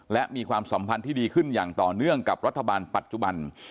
และมีความสัมพันธ์ที่ดีขึ้นอย่างต่อเนื่องกับรัฐบาลปัจจุบัน